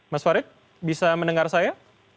mas farid bisa mendengar saya